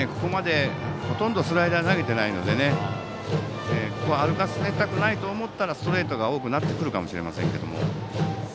ほとんどスライダーを投げていないのでここは歩かせたくないと思ったらストレートが多くなってくるかもしれませんけれども。